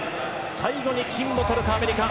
最後に金をとるか、アメリカ。